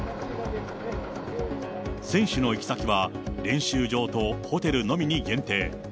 選手の行き先は、練習場とホテルのみに限定。